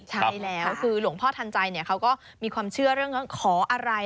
ใช่แล้วคือหลวงพ่อทันใจเขาก็มีความเชื่อเรื่องขออะไร